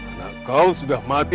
anak kau sudah mati